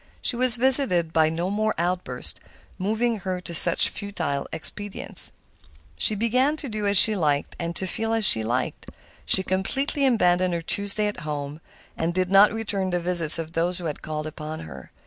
She was visited by no more outbursts, moving her to such futile expedients. She began to do as she liked and to feel as she liked. She completely abandoned her Tuesdays at home, and did not return the visits of those who had called upon her.